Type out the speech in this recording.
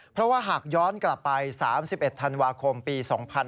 เพราะว่าหากย้อนกลับไป๓๑ธันวาคมปี๒๕๕๙